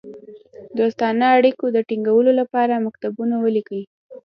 دوستانه اړېکو د تینګولو لپاره مکتوبونه ولیکي.